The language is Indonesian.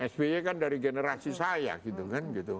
sby kan dari generasi saya gitu kan gitu